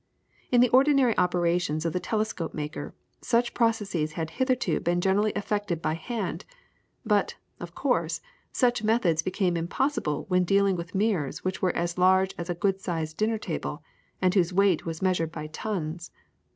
In the ordinary operations of the telescope maker, such processes had hitherto been generally effected by hand, but, of course, such methods became impossible when dealing with mirrors which were as large as a good sized dinner table, and whose weight was measured by tons.